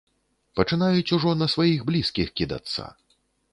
Пачынаюць ужо на сваіх блізкіх кідацца.